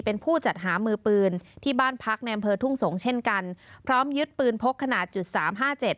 เป็นผู้จัดหามือปืนที่บ้านพักในอำเภอทุ่งสงศ์เช่นกันพร้อมยึดปืนพกขนาดจุดสามห้าเจ็ด